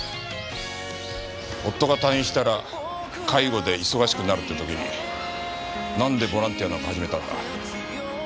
夫が退院したら介護で忙しくなるって時になんでボランティアなんか始めたんだ？